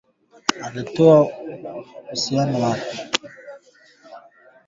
Katika tukio maalum kuadhimisha siku hiyo